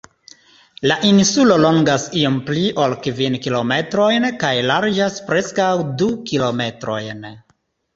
La insulo longas iom pli ol kvin kilometrojn kaj larĝas preskaŭ du kilometrojn.